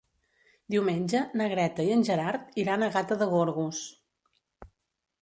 Diumenge na Greta i en Gerard iran a Gata de Gorgos.